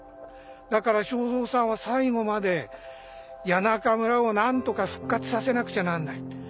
だから正造さんは最後まで谷中村をなんとか復活させなくちゃなんないって。